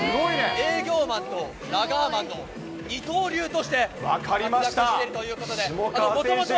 営業マンとラガーマンの二刀流として活躍しているということで。